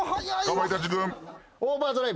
かまいたち軍。